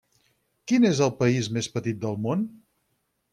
Quin és el país més petit del món?